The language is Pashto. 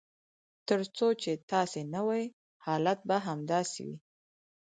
تر څو چې داسې نه وي حالات به همداسې وي.